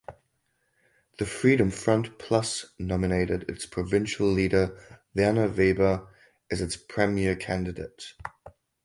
The Freedom Front Plus nominated its provincial leader Werner Weber as its premier candidate.